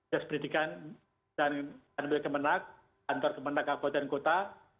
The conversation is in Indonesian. jenis pendidikan dan jenis kemenang kantor kemenang kakotan dan kota